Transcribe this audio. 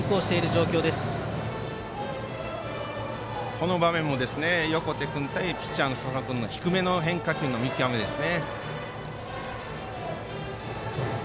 この場面も横手君対ピッチャーの笹尾君の低めの変化球の見極めです。